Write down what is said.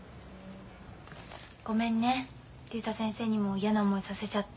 ごめんね竜太先生にも嫌な思いさせちゃって。